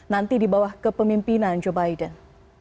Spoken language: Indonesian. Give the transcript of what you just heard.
nanti di bawah kepemimpinan joe biden